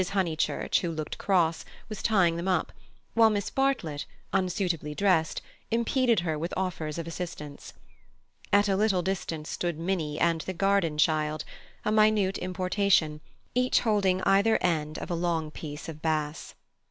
Honeychurch, who looked cross, was tying them up, while Miss Bartlett, unsuitably dressed, impeded her with offers of assistance. At a little distance stood Minnie and the "garden child," a minute importation, each holding either end of a long piece of bass.